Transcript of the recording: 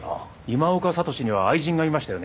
今岡智司には愛人がいましたよね？